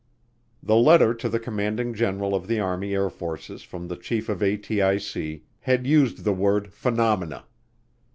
The letter to the Commanding General of the Army Air Forces from the chief of ATIC had used the word "phenomena."